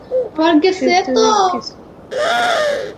ঈশ্বর, তুই কিচ্ছু বুঝিস না।